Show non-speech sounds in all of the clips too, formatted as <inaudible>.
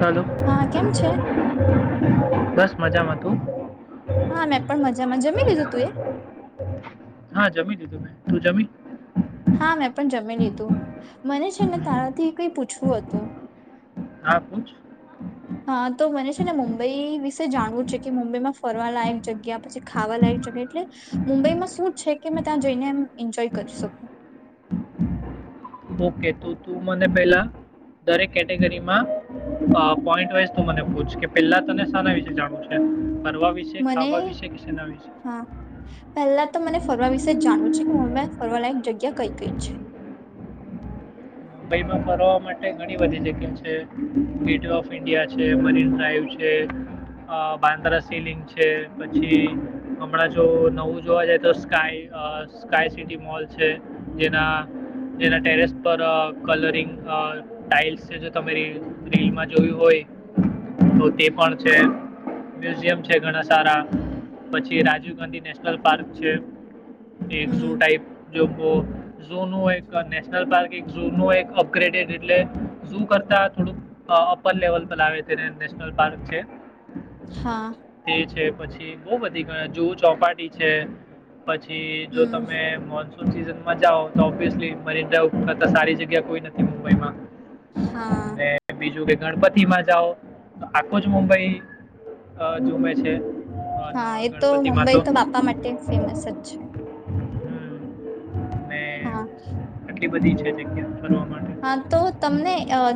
હાલો. હા કેમ છે બસ મજામાં તું? હા મેં પણ મજામાં. જમી લીધું તું એ? હા જમી તું જમી? હા મેં પણ જમી લીધું શું હતું? <inaudible> હા તો મને. ને મુંબઈ વિશે જાણવું છે. કે મુંબઈમાં ફરવા લયક જગ્યા પછી, ખાવા લયક જગ્યા, એટલે મુંબઈમાં શું છે કે મે ત્યાં જઈને એ એન્જોય કરી શકું. ઓકે તો તું મને પેલા દરેક કેટેગરીમાં પોન્ટ વાઈ મને પૂછ. કે પેલા તનેના વિશે જાણ છે? ફરવા વિશે મને ખાવા વિશે કે શેના વિશે હા પહેલા તો મને ફરવા વિશે જાણવું છે. કે મમ્મી ફરવા લાયક જગ્યા કઈ કઈ? <inaudible> મુંબઈમાં ફવવા માટે ઘણી બધી જગ્યા છે. ગેટવે ઓફ ઇન્ડિયા છે. મરીન ડ્રાઈવ છે. બાંદ્રા સિલિંગ છે. પછી હમણાં જો નવું જોવા જાય તો સ્કાય સ્કાય સિટી મોલ છે. જેના જેના ટેરેસ પર. કલરિંગ ટાાઈલ્સ છે. તમે રીલમાં જોયું હોય તો તે પણ છે. મ્યુઝિયમ છે. ઘણા સારા પછી રાજીવ ગાંધી નેશનલ પાર્ક છે. હમ <unintelligible> ઝો નનુંું એક નેશનલ પાર્ક એક. ઝૂ ન એક અપગ્રેડડ એટલે ઝુ કરતા થોડુંક અપપર લેવલ પર લાવ નેશનલ પાર્ક છે. હા એ છે. પછી બહુ બધી ગ જુહુ ચોપાટી છે. પછી જો હમ તમે મોજ. સીઝન માં જાઓ તો ઓબ્િયસલી મરી જ સારી જગ્યા કોઈ નથી મુંબઈ માં હા ગણપતિ માં જાઓ તો આખો જ મુંબઈ જુબઈ હા એ તો મુંબઈ તો બાપા માટે ફેમસ જ છે હમ ને હા બધી છે એક હા તો તમને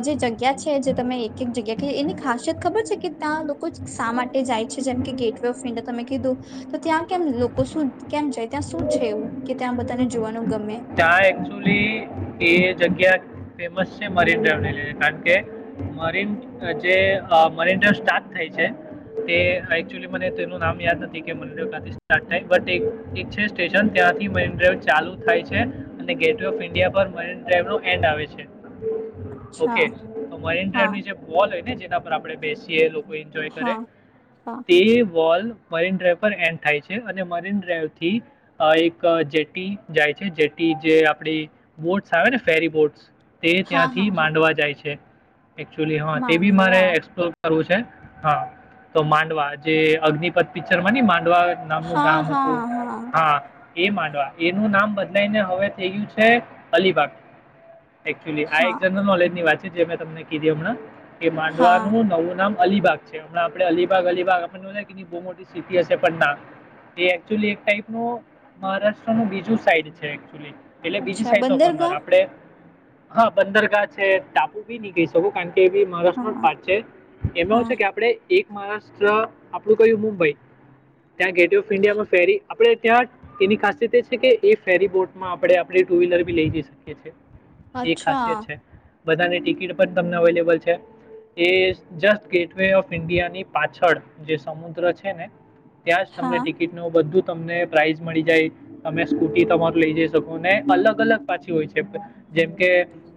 જે જગ્યા છે જે તમે એક એક જગ્યા કે એની ખાસિયત ખબર છે કે ત્યા લોકો જ શા માટે જાય છે જેમ કે ગેટવે ઓફ ઇન્ડિયા તમે કીધું તો ત્યાં કેમ લોકો શું કેમ જાય ત્યાં શું છે એવું કે ત્યાં બધાને જોવાનું ગમે ત્યાં એકચુઅલી એ જગ્યા ફેમસ છે મન ડ્રાઈવ લ કારણ કે મરીન જે મરીન ડ્રાઈવ સ્ટાર્ટ થાય છે તે એકચલી મને તેનું નામ યાદ નથી કે મન ડ્ર ક્યાંથી સાર્ટ થાય છે સ્ટેશન ત્યાંથી મન ડાઈ ચાલુ થાય છે ગેટ ઓ ઇન્ડિયા એડ આવે છે ઓકે અચ્છા તો મરીન ડ્રાઈવ હા ની જે બોલ હોય ને જે પર આપણે બેસીએ લોકો એન્જોય કરે હા હા તે વોલ મરીન ડ્રાઈવ પર એન્ડ થાય છે અને મરીન ડ્રાઈવ થી એક જેટી જાય છે જે જે આપડી બોટ્સ આવે ને ફેરી બોટ્સ તે હા ત્યાંથી હા હા માંડવા જાય છે એચલી હા તે બી મારે માંડવા એક્પ છે હા તો માંડવા જે અગ્નિપથ પિક્ચર માં ની માંડ અંડવા નામનું હા ગામ હતું હા હા એ માંડવા એનું નામ બધ ડાઈને હવે થઈયું છે અલીબાગ એકચુઅલી આ એક હા જનરલ નોલેજ ની વાત છે જે મેં તમને કીધી હમણાં એ હા માંડવાનું નવું નામ અલીબાગ છે હમણાે અલીબાગ અલીબાગ આપને બ મોટી સિટી હશે પણ એક ટપ ન મહારાષ્ટ્ર નું બીજું સાઈડ છે છે એકક્ચુલી એટલે બીજી અચ્છા સાઈડ નો કરનાર બંદરગાહ આપડે હા બંદરગાહ છે ટાપુ બી નહી કઈ શકું કારણ કે એ મહારાષ્ટ્ર ન હા પાર્ટ છે એમાં એવ હા છે કે આપણે એક મહારાષ્ટ્ર આપણું કયું મુંબઈ ત્યાં ગેટવે ઓફ ઇન્ડિયામાં ફેરી આપણે ત્યાં તેની ખાસિયત એ છે કે ફેરી બોટમાં આપણે આપણે ટુ વ્હીલર બી લઈ જઈ શકીએ છીએ એ અચ્છા ખાસિયત છે બધાની ટિકિટ પણ તમને અવેલેબલ છે એ જસ્ટ ગેટવે ઓફ ઇન્ડિયાની પાછળ જે સમુદ્ર છે ને ત્યાં જ તમને હા ટિકિટ ન બધું તમને પ્રાાઈઝ મળી જાય તમે સ્કૂટી તમારું લઈ જઈ શકો ને અલગ અલગ પાછી હોય છે જેમકે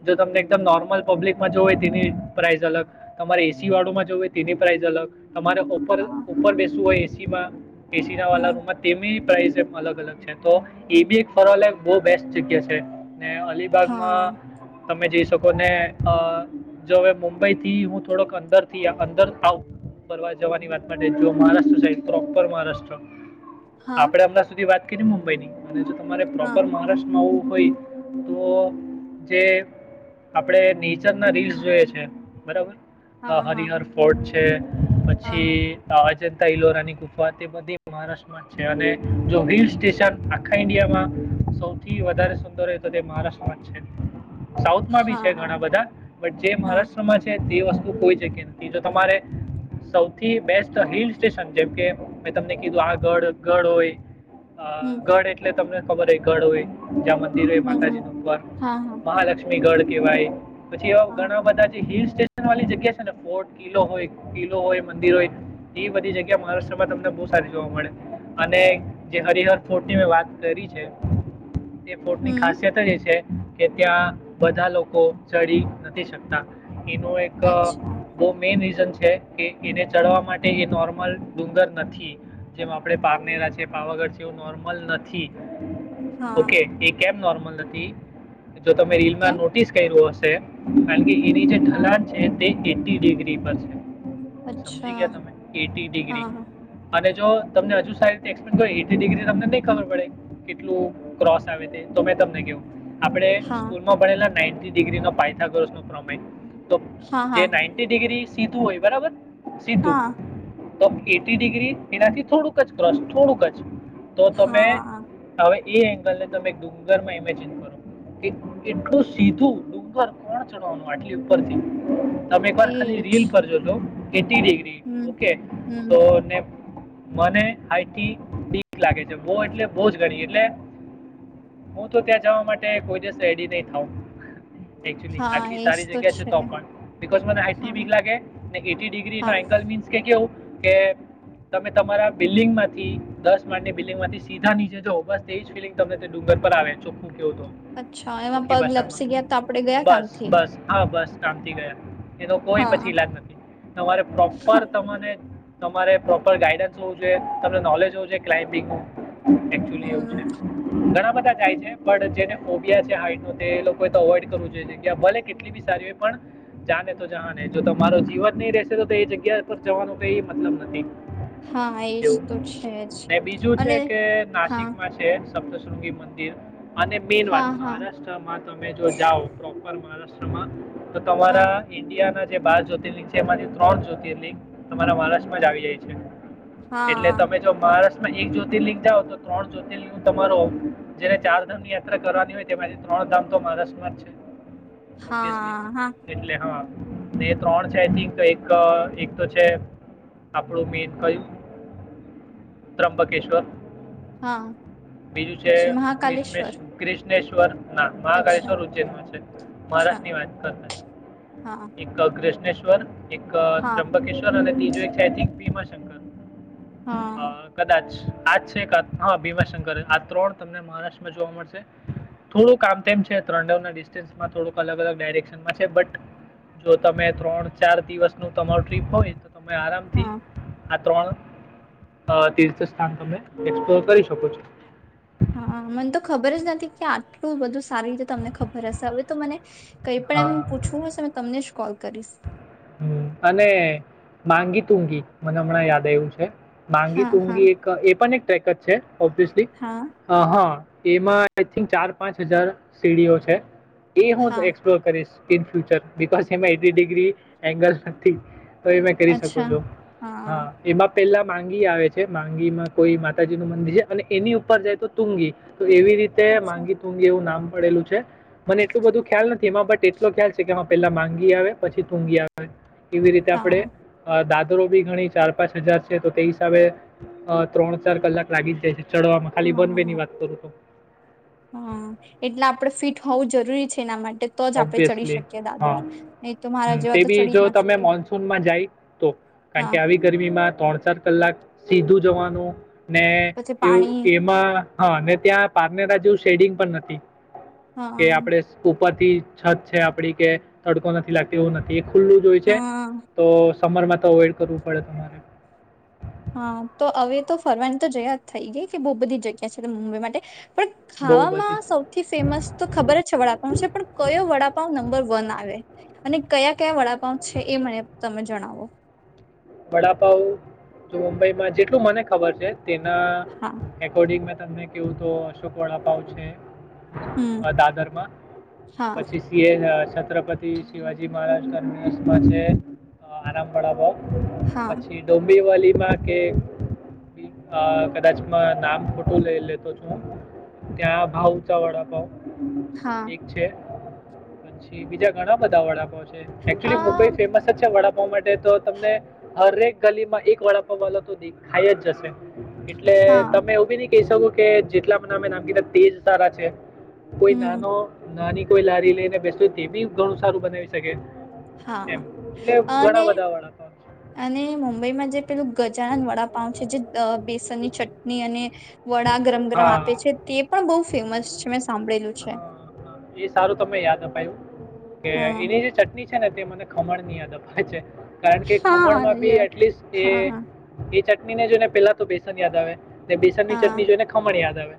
જો તમને એકદમ નોર્મલ પબ્લિકમાં જોવ હોય તેની પ્રાઇઝ અલગ તમારે એસી વાળુ માં જો હોય તેની પ્રાઇઝ અલગ તમારેર હા ઉપર બેસવું હોય સવા કેસીરા વાળા હમ રૂમમાં તેમ પ્રઇઝ અલગ અલગ છે તો એ બી એક ફરવાલ બહ બેસ્ટ જગ્યા છે ને અલીબાગ હા માં તમે જઈ શકો ને અ જો હવે મુંબઈ થી હું થોડોક અંદર થી અંદર ફરવા જવાની વાત માટે જો મહારાષ્ટ્ર સાહે પ્રોપર મહારાષ્ટ્ર હા આપડે હમણાં સુધી વાત કેની મુુંબઈની જો તમારે હા પ્રોપર મહારાષ્ટ્રમાં આવું તો જે આપડ નેચર ના રીલ્સ જોય છે બરાબર હા હ હા હરિહર ફોર્ટ છે હ હા પછી આવાજ લોરા ની ગુફા તે બધી મહારાષ્ટ્રમાં છે અને જો હિલ સ્ટેશન આખા ઇન્ડિયામાં સૌથી વધારે સુંદર હો તો તે મહારાષ્ટ્રમાં જ છે સાઉથમાં બી હા છે હા ઘણા બધા બટ જે હા મહારાષ્ટ્રમાં છે તે વસ્તુ કોઈ જગ્યા નથી તો તમારે સૌથી બેસ્ટ હિલ સ્ટેશન જેમકે મેં તમને કીધું આ ગઢ ગઢ હોય અ હમ ગઢ એટલે તમને ખબર હ ઘડ હોય મતી રય હમ માટાજી હમ ન ઉપર હા હા મહાલક્ષ્મી ગઢ કેવાય પછી એવા હા ઘણા હા બધા જે હિલ સેશ વાી જગ્યા છે ને ફોર્ટ કિલો હોય કિલો હોય મંદિરો હોય એ બધી જગ્યા મહારાષ્ટ્રમાં તમને બહુ સારી જોવા મળે અને જે હરિહર ફર્ટ ની મે વાત કરી છે એ ફોર્ટ ની હમ ખાસિત જ છે. કે ત્યાં બધા લોકો ચડી નથી શકતા. એનું એક અચ્છા બો મેન રીઝન છે. કે એને ચડવા માટે એ નોર્મલ ડુંગર નથી જેમ આપડણે પારનેરા છે પાવાગઢ છે એ નોર્મલ નથી હા ઓકે એ કે નોર્મલ નથી. જો તમે રીલમાં કેમ નોટિસ કર્યું હ છે હકી એની જે હા ઢલાન છે તે એટી ડિગ્રી પર છે. સમજી અચ્છા ગયા તમે એટી ડિગ્રી હા અને જો તમને હજુ સારી તેક્પે ડિગ્રી તમને નહી ખબર પડે કેટલું ક્રોસ આવે તે તો મેં તમને કેવ આપડણે હા સ્કૂલમાં ભણેલા નાઇ ટી ડિગ્રી ન પાયથાગોરષ નો પ્રમેય તો હા જે હા નાઇન્ટી ડિગ્રી સીધું હોય બરાબર સીધુ હા તો એટી ડિગ્રી એનાથી થોડુંક જ ક્રોસ થોડુંક જ તો તમે હા હવે એ એંગલ ને તમે ડુંગરમાં ઈમેજીન કરો કે એટલું સીધું ડુંગર કોણ ચડવાનું આટલી ઉપરથી તમે એક વાર ખાલી એજ રીલ પર જો જો એટી ડીગ્રી હમ ઓકે હમ તોને મને હાઈટથી બીક લાગે છે બો એટલે બો જ ઘણી એટલે હું તો ત્યાં જવા માટે કોઈ દિવસ રેડી નહી થાઉ એક્ચ્યુલી આટલી સારી જગ્યા છે તો પણ બીકોઝ મને હાઈટથી હા બીક લાગે ને એટી ડિગ્રીનો હા એંગલ મીન્સ કે કેવું કે તમે તમારા બિલ્ડિંગ માંથી દસ માણની બિલ્ડિંગ માંથી સીધા નીચે જો બસ તેજ ફીલિંગ તમને તે ડુંગર પર આવે ચોખ્ખું કયો તો અચ્છા એમાં ચોખ્ખી પગ લપસી ભાષામાં ગયા તો આપડે ગયા બસ કામથી બસ હા બસ કામ થી ગયા એનો કોઈ હા પછી હા, ઈલાજ નથી તમારે પ્રોપર તમને તમારે પ્રોપર ગાઈડન્સ હોવું જોઈએ તમને નોલેજ હોવ જો ક્લાયપીનગનુ એકચુલી એવું છે હમ ઘણા બ ધા જાય છે પણ જેને ઓબીયા છે હાઈટનો તે લોકો એ તો અવોઈડ કરવું જોએ જગ્યા ભલે કેટલી બી સારી પણ જાને તો જહાન હે તમારો જીવન ની રેશે તો તો એ જગ્યા પર જવાનું કઈ મતલબ નથી. હા એજ એવું તો છે જ ને બીજું છે અને કે હા નાસિકમાં છે સપ્તશૃંગી મંદિર અને મેન વાત હા હા મહારાષ્ટ્રમાં તમે જો જાઓ પ્રો પરમા આશ્રમ તો હા તમારા ઇન્ડિયા ના જે બાર જ્યોતિર્લિંગ છે એમાંથી ત્રણ જ્યોતિર્લિંગ તમારા મહારાષ્ટ્રમાં જ આવી જાય છે એટલે હા તમે જો મહારાષ્ટ્ર એક જ્યોતિર્લિંગ ત્રણ જ્યોતિલું તમારો જેને ચાર ધામ ની યાત્રા કરવાની હોય તેમાંથી ત્રણ ધામ તો મહારાષ્ટ્રમાં જ છે ઓબ્વિયસલી હા હા એટલે હા એ ત્રણ છે આઈ થિંક એક એક તો છે આપણું મેન કયું ત્રંબકેશ્વર હા બીજું છે પછી મહાકાલેશ્વર ક્રિસમેસ ક્રિ ભધનેશ્ર ના અચ્છા મહાકાલેશ્વર ઉજ્જૈન માં છે અચ્છા મહારાષ્ટ્રની વાત હા કરતા એક અગ્રે ભુવનેશ્વર એક હા ત્ર્યુંબકેશ્વર અને ીજ એક છે આઈ થિંક ભીમા શંકર હ હા કદાચ આજ હા અભિમા શંકર આ ત્રણ તમને મહારાષ્ટ્રમાં જોવા મળશે થોડુંક કામ તેમ છે ત્રણ ડિસ્ટન્સમાં થોડુંક અલગ અલગ ડાયરેક્શનમાં છે બટ જો તમે ત્રણ ચાર દિવસ નું તમારૂ ટ્રીપ હોય તમને આરામથી હા આ ત્રણ તીર્થ સ્થાન તમે એક્સપ્લોર કરી શકો છો હા મને તો ખબર જ નથી કે આટલું બધું સારી રીતે તમને ખબર હશે હવે તો મને કઈ પણ હા એમ પૂછવું હશે મે તમનેજ કોલ કરીશ હમ અને માંગી તુંગી મને હમણાં યાદ આવું છે માંગી હા હા તુંંગી એક એ પણ એક પેકેજ છે ઓબ્િયસલી હા હા એમાં આઈ થિક ચાર પાંચ હજાર સીડીઓ છે એ હવ હા એક્સપ્લોર કરીશ in future because eighty degree angle નથી તો એ મેં કરી શકો અચ્છા છો હા એમાં પેલા માંગી આવે છે માંગી માં કોઈ માતાજી નું મંદિર છે અને એની ઉપર જાય તો તુંગી તો એવી રીતે અચ્છા માંગી તુંગી એવું નામ મળેલું છે મને એટલું બધું ખ્યાલ નથી એમાં બટ એટલો ખ્યાલ છે કે પેલા માંગી આવે પછી તુંગી આવે આવે કેવી રીતે હા આપણે દા બી ઘણી ચાર પાંચ હજાર છે તો તે હિસાબે ત્રણ ચાર કલાક લાગી જ જાય છે ચડવામાં ખાલી વન વે ની હા વાત કરું તો હા એટલે આપડ ફિટ હોવું જરૂરી છે એના માટે તો જ આપણે ચડી ઓબ્વિયસલી શકીએ દાદર હા નહી તો મારા તે જેવા તો બી ચડી જો જ ના તમે શકે મોનસૂનમાં જાય તો કારણ હા કે આવી ગરમીમાં ત્રણ ચાર કલાક સીધું જવાનું ને પછી પાણી એવું એમાં હા ત્યાં પારનેરા શેડિંગ પણ નથી હા કે આપણેે ઉપજ તે છત છે આપડી કે તડકો નથી લાગતી એવું નથી ખુલ્લું જ હોઈ છે હા તો સમરમાં તો અવોઈડ કરવું પડે તમારે હા તો હવે તો ફરવાની તો જગ્યા થઈ ગઈ કે બહુ બધી જગ્યા છે મુંબઈ માટે પણ બહુ બધી. ખાવામાં સૌથી ફેમસ તો ખબર છે વડાપાવ છે પણ કયો વડાપાવ નંબર વન આવે અને કયા કયા વડાપાંઉ છે એ મને તમે જણાવો. વડાપાઉ તો મુંબઈમાં જેટલું મને ખબર છે. તેના હા રકોર્ડિંગ મે તમને કેવું તો અશોક વડા પાવ છે. હમ દાદર માં હા પછી સીએન છત્રપતિ શિવાજી મહારાજ ટર્મિનલ માં આરામ પડાપાવ. હા પછી ડોબી વલીમાં કે અ કદાચ નામ ખોટું લઈ લેતો છું ત્યાં ભાવ ઊંચા વડાપાવ. હા એક છે. પછી બીજા ઘણા બધા વડા પાવ છે. એક્ચુલી મુુંબઈ આ ફેમસ જ છે વડા માટે તો. તમને હરેક ગલીમાં એક વડાપાવ વાલા તો દેખાય જ જશે. એટલે હા તમે એઈ બીની કહી શકું કે જેટલા મમે નામ કીધા તેજ સારા છે. કોઈ હમ નાનો નાની કોઈ લારી લઈ ને બેસ બી ઘણું સારું બનાવી શકે. એમ હા એટલે ઘણા અને બધા વાળા અને મુુંબઈમાં જે પેલું ગજાનન વડાપઉ છે જે બેસનની ચટણી અને વડા ગરમ ગરમ આપે હા છે તે પણ બહુ ફેમસ છે મે હા એ સારું તમે યાદ આપ પાયવુ. કે હા એની જે ચટણી છે. છે ને તે મને ખમણ ની યાદ અપાય છે. કારણ કે હા ખમણમાં બી ય એટલીસ્ટ એ હા એ ને જોઈને પેલા તો બેસન યાદ આવે. ને બેસનની હા ચટણી જોઈ ને ખમણ યાદ આવે.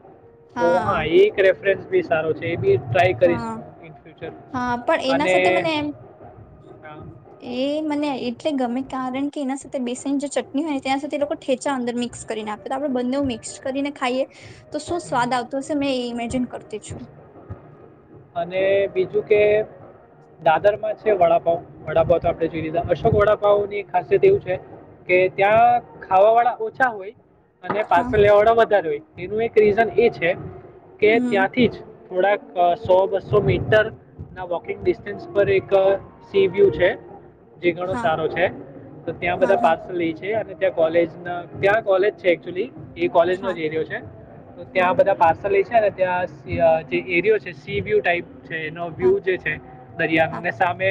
તો હા એ કર રે પ્ર બી સારો છે એ બી ટ્રાય કરીશ હા ઇન ફ્યુચર હા પણ એના અને સાથે મને એમ હા, એ મને એટલે ગમે કારણ કે એના સાથે બેસઇ જે ચટણી હોય ને તેના એ લોકો ઠેચા અંદર મિક્સ કરીને આપે તો આપડણે બંને મિક્સ કરીને ખાઈએ તો શું હમ. સ્વાદ આવતું હશે મેં એ ઇમેજિન કર તી છું. અને બીજું કે દાદર માં છે. વડાપાવ વડાપાવ તો આપણે જોઈ લીધા અશોક વડાપાવ ની ખાસિયત એવું છે, કે ત્યાં ખાવા વાળા ઓછા હોય. અને હા પાછો લેવાડો વધારે હોય. એનું એક રીઝન એ છે. કે હમ ત્યાંથી જ થોડાક સો બસો મીટર ના વોકિંગ ડિસ્ટન્સ પર એક સી વ્યુ છે. જે ઘણો હા સારો છે તો ત્યાં હા બધા હા પાર્સલ લ છે અને તં કોલેજ ના ક્યાં કોલેજ છે એકચુઅલી એ કોલેજ નો હા જ એરિયો છે તો હા ત્યાં બધા પા લ છે ને ત્યાં જે એરિયો છે. સીવી્યુ ટાઈપ છે એનો હા વ્યૂ જે છે દરિયાનો હા ને સામે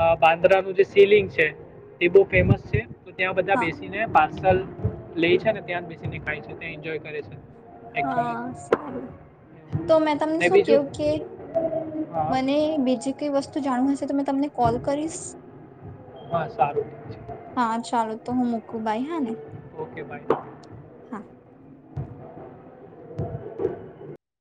આ બાંદરાાનું જે સિલિંગ છે, એ બહુ ફેમસ છે. તો ત્યાં બધા હા બેસીને બા લે છે ને ત્યાં બેસીને ખાય છે ત્યા એન્જોય કરે છે. એકચ્યુઅલી હા સારું તો મેં તમને ને શું બીજું કેું કે હા મને બીજી કઈ વસ્તુ જાણું હશે તો મેં તમને કોલ કરીશ હા સારું ઠીક હા ચાલો તો હું મૂકું ભાઈ હા ને છે <inaudible> હા <unintelligible>